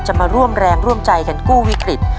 มาร่วมแรงร่วมใจกันกู้วิกฤต